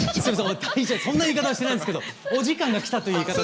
そんな言い方はしてないんですけどお時間がきたという言い方でいいですか？